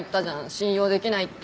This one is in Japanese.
信用できないって。